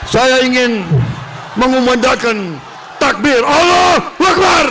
saya ingin mengumandakan takbir allah akbar